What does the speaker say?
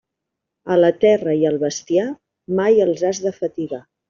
A la terra i al bestiar, mai els has de fatigar.